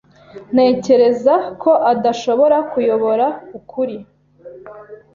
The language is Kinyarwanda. Ntekereza ko adashobora kuyobora ukuri.